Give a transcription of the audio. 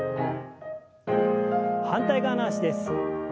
反対側の脚です。